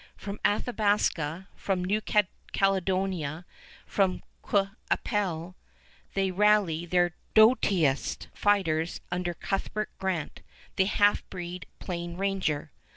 From Athabasca, from New Caledonia, from Qu'Appelle ... they rally their doughtiest fighters under Cuthbert Grant, the half breed Plain Ranger.